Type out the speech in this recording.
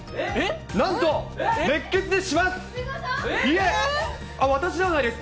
なんと、熱ケツでします。